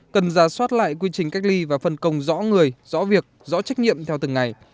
cần ra soát lại quy trình cách ly và phân công rõ người rõ việc rõ trách nhiệm theo từng ngày